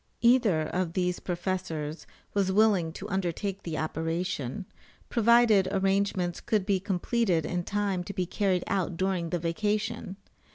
Either of these professors was willing to undertake the operation, provided arrangements could be completed in time to be carried out during the vacation.